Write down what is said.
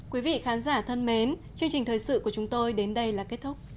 quý vị khán giả thân mến chương trình thời sự của chúng tôi đến đây là kết thúc